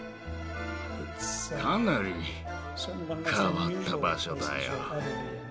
かなり変わった場所だよ。